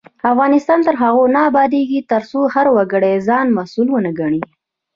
افغانستان تر هغو نه ابادیږي، ترڅو هر وګړی ځان مسؤل ونه ګڼي.